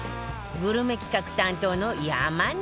グルメ企画担当の山根さん